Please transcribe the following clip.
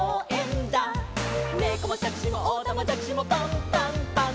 「ねこもしゃくしもおたまじゃくしもパンパンパン！！」